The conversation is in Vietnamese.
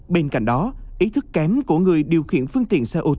bên cạnh đó ý thức kém của người điều khiển phương tiện xe container